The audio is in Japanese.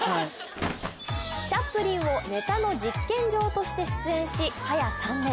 「チャップリン」をネタの実験場として出演し早や３年。